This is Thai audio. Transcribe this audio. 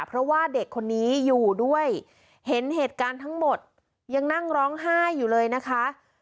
เพราะว่าเด็กคนนี้อยู่ด้วยเห็นเหตุการณ์ทั้งหมดยังนั่งร้องไห้อยู่เลยนะคะ